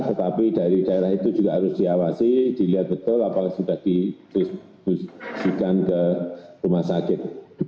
tetapi dari daerah itu juga harus diawasi dilihat betul apa sudah didistribusikan ke rumah sakit